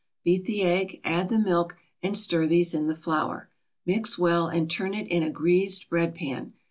Beat the egg, add the milk, and stir these in the flour. Mix well, and turn it in a greased bread pan.